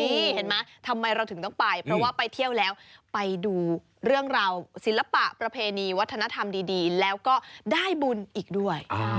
นี่เห็นไหมทำไมเราถึงต้องไปเพราะว่าไปเที่ยวแล้วไปดูเรื่องราวศิลปะประเพณีวัฒนธรรมดีแล้วก็ได้บุญอีกด้วย